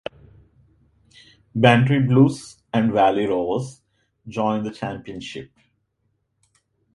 Bantry Blues and Valley Rovers joined the championship.